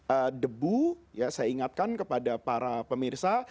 ibu ya saya ingatkan kepada para pemirsa